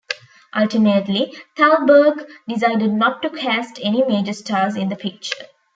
Ultimately, Thalberg decided not to cast any major stars in the picture.